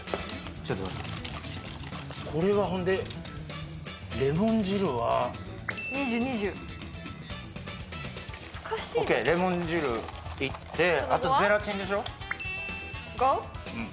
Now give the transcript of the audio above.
ちょっと待ってこれはほんでレモン汁は２０２０オッケーレモン汁いってあとゼラチンでしょゴー？